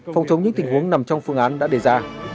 phòng chống những tình huống nằm trong phương án đã đề ra